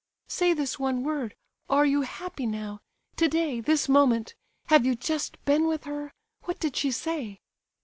"Say this one word. Are you happy now? Today, this moment? Have you just been with her? What did she say?"